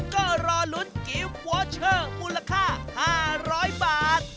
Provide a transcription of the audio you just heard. ก็รอลุ้นกิฟต์วอเชอร์มูลค่า๕๐๐บาท